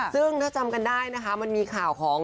ซึ่งถ้ามึกถึงได้มันมีขัวของ